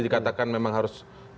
jadi dikatakan memang harus